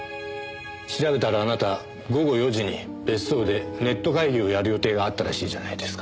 調べたらあなた午後４時に別荘でネット会議をやる予定があったらしいじゃないですか。